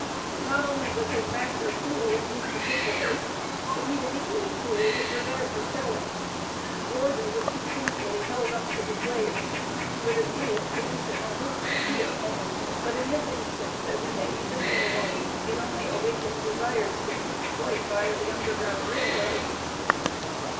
Not only was his master cruel in these particulars, but he was equally cruel with regard to selling. Georgia was continually held up to the slaves with a view of producing a wholesome fear, but in this instance, as in many similar ones, it only awakened desires to seek flight via the Underground Rail Road.